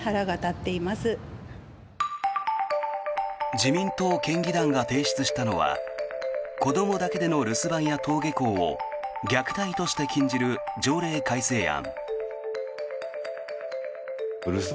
自民党県議団が提出したのは子どもだけでの留守番や登下校を虐待として禁じる条例改正案。